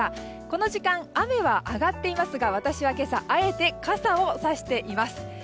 この時間、雨は上がっていますが私は今朝あえて傘をさしています。